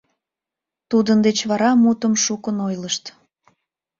Тудын деч вара мутым шукын ойлышт.